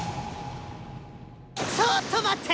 ちょっと待って！